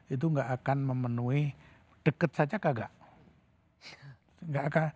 itu nggak akan memenuhi deket saja kagak